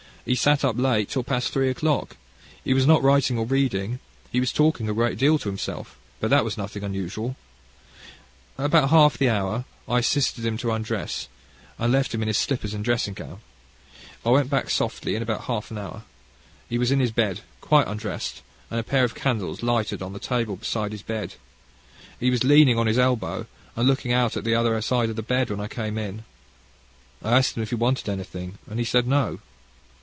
He sat up late, till past three o'clock. He was not writing or reading. He was talking a great deal to himself, but that was nothing unusual. At about that hour I assisted him to undress, and left him in his slippers and dressing gown. I went back softly in about half an hour. He was in his bed, quite undressed, and a pair of candles lighted on the table beside his bed. He was leaning on his elbow, and looking out at the other side of the bed when I came in. I asked him if he wanted anything, and he said No.